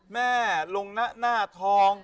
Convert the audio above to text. แม่ลงหน้าทอง